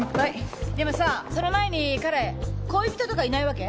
でもさその前に彼恋人とかいないわけ？